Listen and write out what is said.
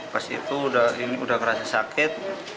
pas itu udah ngerasa sakit